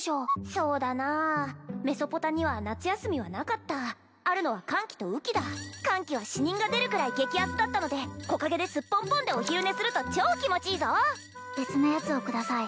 そうだなあメソポタには夏休みはなかったあるのは乾季と雨季だ乾季は死人が出るくらい激アツだったので木陰ですっぽんぽんでお昼寝すると超気持ちいいぞ別なやつをください